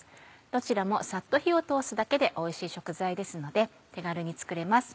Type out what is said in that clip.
どちらもサッと火を通すだけでおいしい食材ですので手軽に作れます。